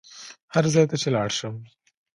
هر ځای ته چې لاړ شم.